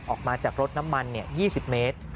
ออกมาจากรถน้ำมัน๒๐เมตร